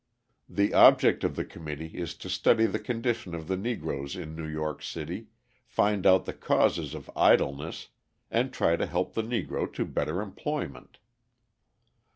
The object of the committee is to study the condition of the Negroes in New York City, find out the causes of idleness, and try to help the Negro to better employment.